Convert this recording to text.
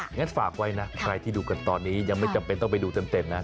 งั้นฝากไว้นะใครที่ดูกันตอนนี้ยังไม่จำเป็นต้องไปดูเต็มนะ